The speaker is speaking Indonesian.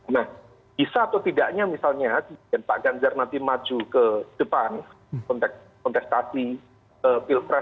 nah bisa atau tidaknya misalnya pak ganjar nanti maju ke depan kontestasi pilkras dua ribu dua puluh empat